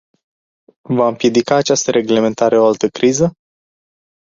Va împiedica această reglementare o altă criză?